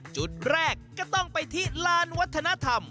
จุดแรกก็ต้องไปที่ลานวัฒนธรรม